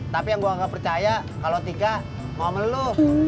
tapi yang gue gak percaya kalau tiga ngomel lu